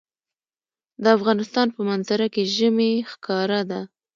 د افغانستان په منظره کې ژمی ښکاره ده.